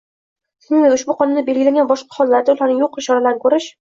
shuningdek ushbu Qonunda belgilangan boshqa hollarda ularni yo‘q qilish choralarini ko‘rishi;